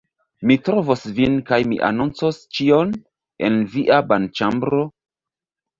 Mi trovos vin kaj mi anoncos ĉion... en via banĉambro...